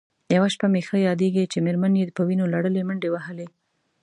یوه شپه مې ښه یادېږي چې مېرمن یې په وینو لړلې منډې وهلې.